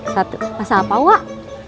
satu rasa apa wak